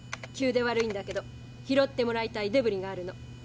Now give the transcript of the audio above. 急で悪いんだけど拾ってもらいたいデブリがあるの。